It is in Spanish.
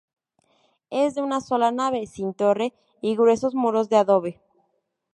Es de una sola nave, sin torre, y gruesos muros de adobe.